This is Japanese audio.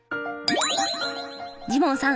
ジモンさん